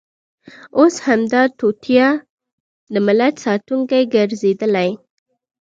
اوس همدا توطیه د ملت ساتونکې ګرځېدلې.